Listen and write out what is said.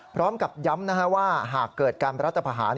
พร้อมกับย้ำนะฮะว่าหากเกิดาการรัฐภาษณ์